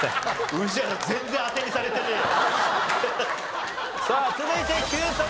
宇治原全然当てにされてねえよ。